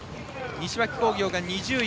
西脇工業、２０位。